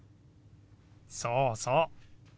そうそう。